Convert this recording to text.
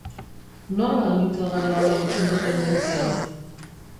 Nola mintzo gara orain independentziaz?